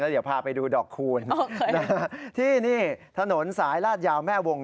เดี๋ยวพาไปดูดอกคูณที่นี่ถนนสายลาดยาวแม่วง